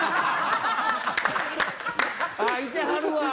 いてはるわ！